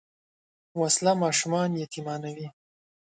وسله ماشومان یتیمانوي